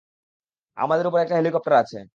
আমাদের উপরে একটা হেলিকপ্টার আছে।